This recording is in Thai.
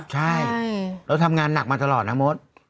ใช่แล้วทำงานหนักมาตลอดนะโม๊ต